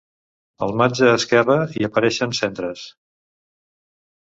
Al marge esquerre hi apareixen cendres.